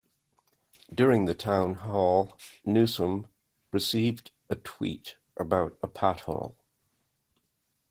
During the town hall, Newsom received a tweet about a pothole.